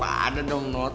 aku ada dong not